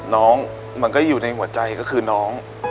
มันก็อยู่ในหัวใจก็คือน้อง